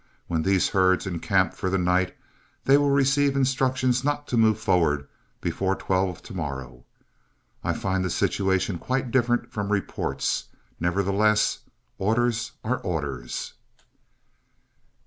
When these herds encamp for the night, they will receive instructions not to move forward before twelve to morrow. I find the situation quite different from reports; nevertheless orders are orders."